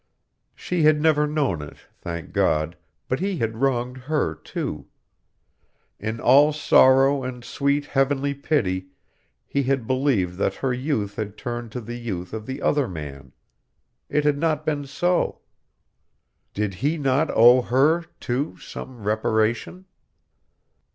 She had never known it, thank God, but he had wronged her too. In all sorrow and sweet heavenly pity he had believed that her youth had turned to the youth of the other man. It had not been so. Did he not owe her, too, some reparation?